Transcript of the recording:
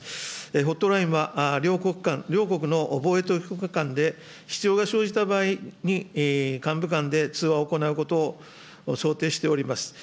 ホットラインは両国間、両国の防衛当局間で必要が生じた場合に幹部間で通話を行うことを想定しております。